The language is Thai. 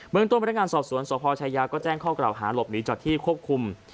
เมืองต้นพนักงานสอบสวนสพชายาก็แจ้งข้อกล่าวหาหลบหนีจากที่ควบคุม